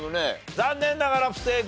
残念ながら不正解。